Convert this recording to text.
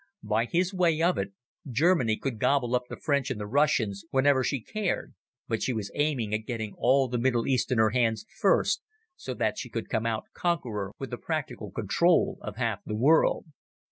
By his way of it Germany could gobble up the French and the Russians whenever she cared, but she was aiming at getting all the Middle East in her hands first, so that she could come out conqueror with the practical control of half the world.